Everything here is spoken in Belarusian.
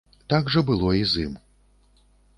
Так жа было і з ім.